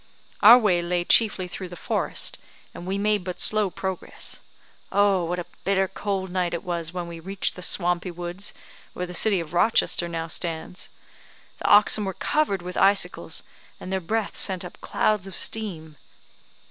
Our way lay chiefly through the forest, and we made but slow progress. Oh! what a bitter cold night it was when we reached the swampy woods where the city of Rochester now stands. The oxen were covered with icicles, and their breath sent up clouds of steam.